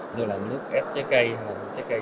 như là nước ép trái cây hay trái cây xáy dở